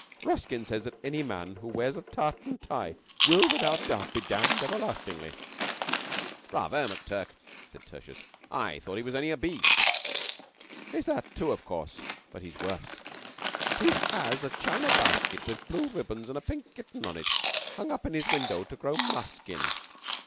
Ruskin says that any man who wears a tartan tie will, without doubt, be damned everlastingly." "Bravo, McTurk," said Tertius; "I thought he was only a beast." "He's that, too, of course, but he's worse. He has a china basket with blue ribbons and a pink kitten on it, hung up in his window to grow musk in.